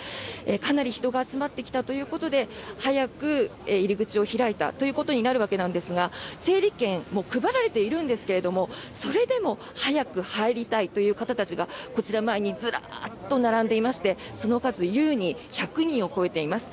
かなり人が集まってきたということで早く入り口を開いたということになるわけですが整理券も配られているんですがそれでも早く入りたいという方たちがこちら前にずらっと並んでいましてその数優に１００人を超えています。